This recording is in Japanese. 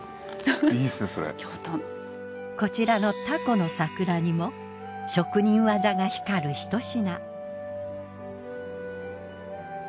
こちらの蛸の桜煮も職人技が光るひと品。